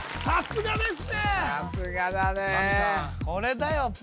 さすがだねこれだよ